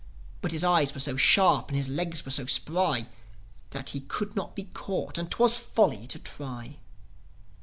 But his eyes were so sharp, and his legs were so spry, That he could not be caught; and 'twas folly to try.